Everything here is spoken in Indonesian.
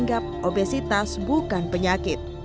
menganggap obesitas bukan penyakit